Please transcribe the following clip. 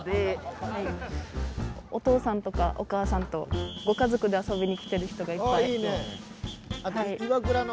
お父さんとかお母さんとご家族で遊びに来てる人がいっぱい。